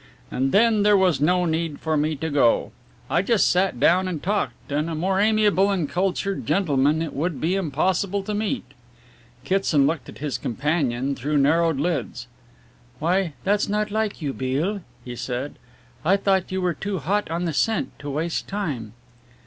And then there was no need for me to go. I just sat down and talked, and a more amiable and cultured gentleman it would be impossible to meet." Kitson looked at his companion through narrowed lids. "Why, that's not like you, Beale," he said. "I thought you were too hot on the scent to waste time."